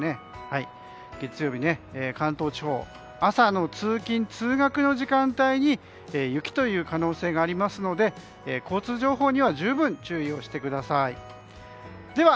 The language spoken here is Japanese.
関東地方は朝の通勤・通学の時間帯に雪という可能性がありますので交通情報には十分注意をしてください。